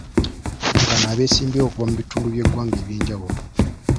Be bano abeesimbyewo okuva mu bintu by'eggwanga eby'enjawulo.